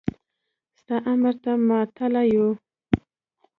ستا امر ته ماتله يو.